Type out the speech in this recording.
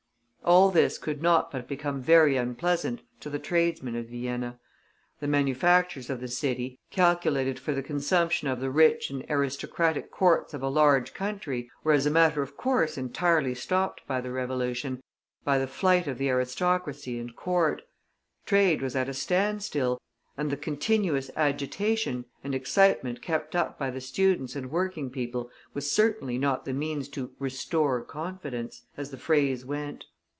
All this could not but become very unpleasant to the tradesmen of Vienna. The manufactures of the city, calculated for the consumption of the rich and aristocratic courts of a large country, were as a matter of course entirely stopped by the Revolution, by the flight of the aristocracy and Court; trade was at a standstill, and the continuous agitation and excitement kept up by the students and working people was certainly not the means to "restore confidence," as the phrase went.